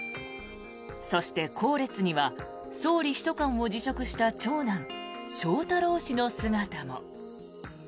そして後列には総理秘書官を辞職した長男・翔太郎氏の姿も。